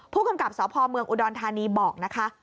ผู้กำกับสพเมืองอุดรธานีบอกนะคะ